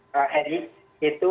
pak ari itu